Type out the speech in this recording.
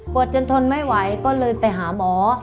จนทนไม่ไหวก็เลยไปหาหมอ